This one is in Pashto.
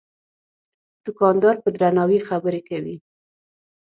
دوکاندار په درناوي خبرې کوي.